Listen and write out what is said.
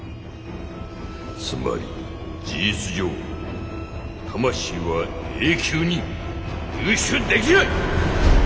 つまり事実上魂は永久に入手できない！